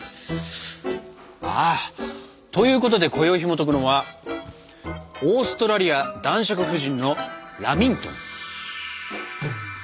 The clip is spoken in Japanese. あということでこよいひもとくのはオーストラリア男爵夫人のラミントン！